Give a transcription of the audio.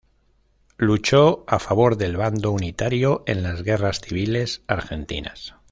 Luchó a favor del bando unitario en las Guerras civiles argentinas.